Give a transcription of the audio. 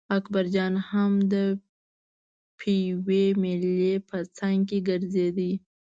اکبرجان هم د پېوې مېلې په څنګ کې ګرځېده.